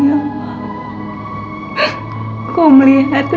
kau yang memberi kekuatan